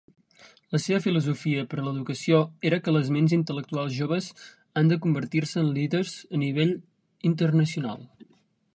La seva filosofia per a l'educació era que les ments intel·lectuals joves han de convertir-se en líders a nivell internacional.